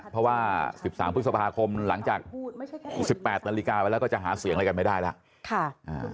เพราะว่า๑๓พฤษภาคมหลังจาก๑๘นาฬิกาไปแล้วก็จะหาเสียงอะไรกันไม่ได้แล้ว